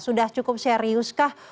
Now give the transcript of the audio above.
sudah cukup serius kah